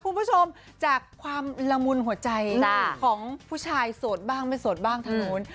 คุณผู้ชมจากความละมุนหัวใจของผู้ชายโสดบ้างไม่โสดบ้างทางนู้น